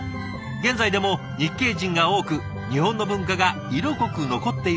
現在でも日系人が多く日本の文化が色濃く残っているんですって。